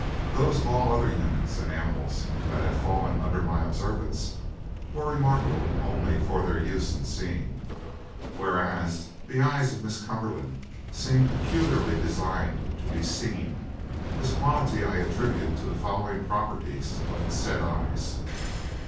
Those of all other humans and animals that have fallen under my observance were remarkable only for their use in seeing, whereas the eyes of Miss Cumberland seem peculiarly designed to be seen. This quality I attribute to the following properties of the said eyes.